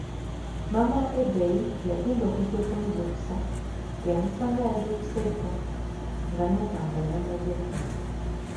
Maama wa Ebei yagenda okujja okumuzuukusa, ya musanga yazuukuse dda nga n'okwambala yamaze dda!